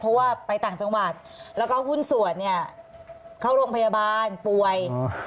เพราะว่าไปต่างจังหวัดแล้วก็หุ้นส่วนเนี่ยเข้าโรงพยาบาลป่วย